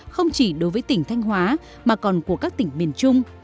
không chỉ đối với tỉnh thanh hóa mà còn của các tỉnh miền trung